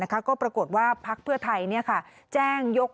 ก็ปรากฏว่าม